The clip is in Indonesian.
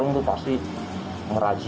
ini adalah barang dagangan yang terdampak ppkm